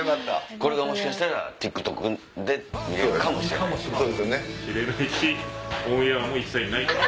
これがもしかしたらＴｉｋＴｏｋで見れるかもしれない。